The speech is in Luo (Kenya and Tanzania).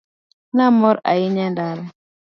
Ne amor ahinya e ndara.